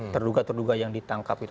terduga terduga yang ditangkap itu